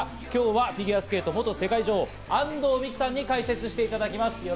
今日はフィギュアスケート元世界女王、安藤美姫さんに解説していただきます。